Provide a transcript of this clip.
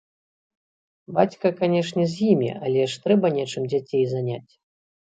Бацька, канешне, з імі, але ж трэба нечым дзяцей заняць.